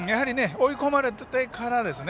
追い込まれてからですね。